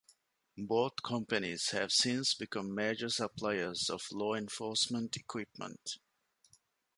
Both companies have since become major suppliers of law enforcement equipment.